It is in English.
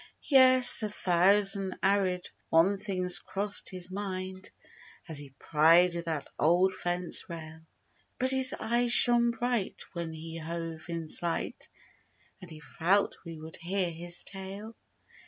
Yes, a thousand arid one things crossed his mind As he pried with that old fence rail— But his eyes shone bright when we hove in sight And he felt we would hear his tale.